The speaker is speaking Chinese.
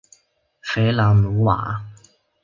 弗朗努瓦。